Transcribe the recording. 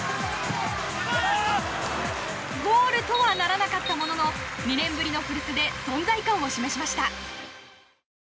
ゴールとはならなかったものの２年ぶりの古巣で存在感を示しました。